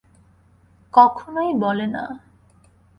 কখনোই বলে না।